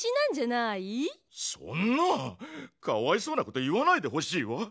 そんなかわいそうなこと言わないでほしいわ。